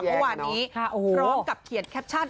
พวกวันนี้พร้อมกับเขียนแคปชั่น